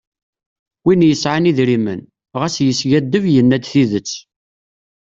Win yesɛan idrimen. ɣas yeskadeb. yenna-d tidet.